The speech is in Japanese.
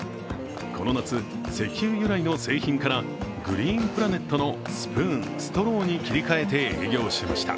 この夏、石油由来の製品からグリーンプラネットのスプーン・ストローに切り替えて営業しました。